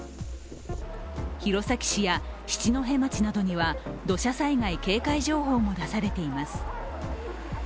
弘前市や七戸町などには土砂災害警戒情報も出されています。